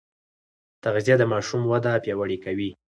تغذيه د ماشوم وده پیاوړې کوي.